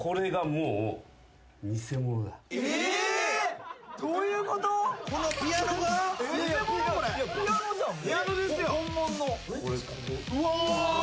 うわ！